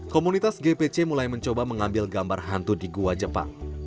komunitas gpc mulai mencoba mengambil gambar hantu di gua jepang